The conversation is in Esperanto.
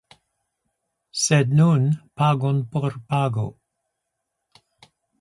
Sed nun pagon por pago.